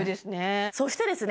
そしてですね